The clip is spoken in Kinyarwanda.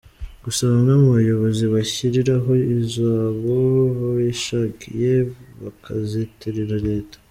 Gusa bamwe mu bayobozi bishyiriraho izabo bishakiye bakazitirira Leta.